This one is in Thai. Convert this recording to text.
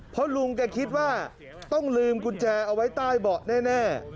เพราะลุงแกคิดว่าต้องลืมกุญแจเอาไว้ใต้เบาะแน่